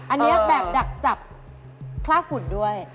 อันนี้แบบดักจับคลากฝุ่นด้วย